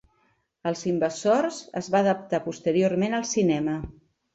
"Els invasors" es va adaptar posteriorment al cinema.